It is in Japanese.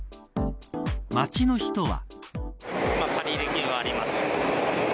街の人は。